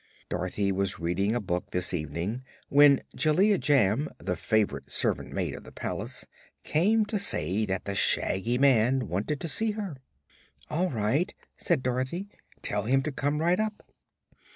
Dorothy was reading in a book this evening when Jellia Jamb, the favorite servant maid of the palace, came to say that the Shaggy Man wanted to see her. "All right," said Dorothy; "tell him to come right up."